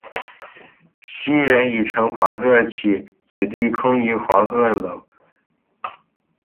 昔人已乘黄鹤去，此地空余黄鹤楼。